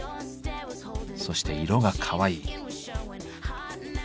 そして色がかわいい。